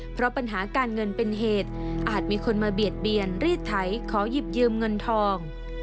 เพราะปัญหาการเงินเป็นเหตุอาจมีคนมาเบียดเบียนรีดไถขอหยิบยืมเงินทอง